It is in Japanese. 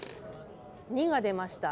２が出ました。